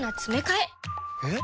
えっ？